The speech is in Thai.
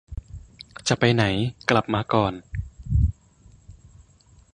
จะไปไหน กลับมาก่อน